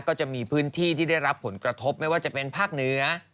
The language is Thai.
ก็จะมีพื้นที่ที่ได้รับผลกระทบไม่ว่าจะเป็นภาคเหนือ